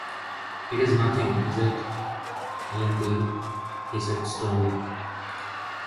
‘It is nothing, is it, Ellen Dean?’ he said sternly.